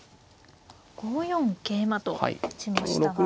５四桂馬と打ちましたが。